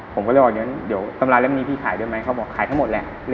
ผมก็เลยบอกเดี๋ยวตำราเล่มนี้พี่ขายด้วยไหมเขาบอกขายทั้งหมดแหละ